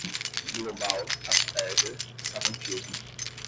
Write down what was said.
global, asperger, savantismo